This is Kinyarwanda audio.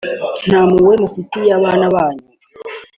nta mpuhwe bafitiye abana banyu